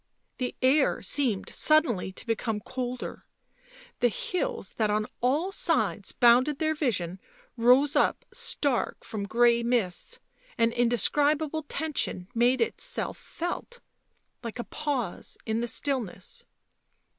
The air seemed suddenly to become colder ; the hills that on all sides bounded their vision rose up stark from grey mists ; an indescribable tension made itself felt, like a pause in stillness.